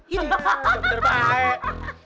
iya bener bener baik